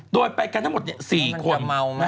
โดยไปกันทั้งหมด๔คน